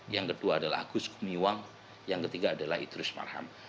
yang kedua adalah agus gumiwang yang ketiga adalah idrus marham